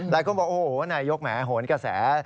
แล้วก็บอกว่านายยกแหมโหนกระแส